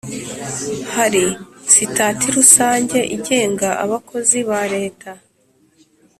Hari sitati rusange igenga abakozi ba Leta.